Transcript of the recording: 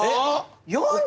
４０！？